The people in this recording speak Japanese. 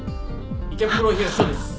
池袋東署です。